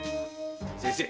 先生！